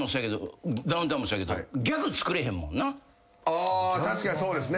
あ確かにそうですね。